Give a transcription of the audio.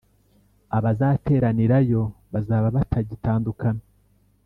abazateranirayo bazaba batagiztandukana,